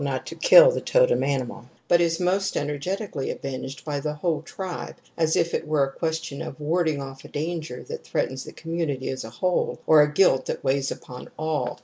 g., not to kill the totem animal), but is most energetically a^vcnged ljj,4ilfijdl^5^tri^g^as if it were a question of warding off a danger that threatens the com munity as a whole or a guilt that weighs upon all.